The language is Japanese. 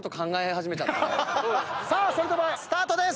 それではスタートです。